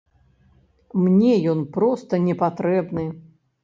Мне ён проста не патрэбны.